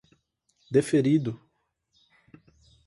Deferido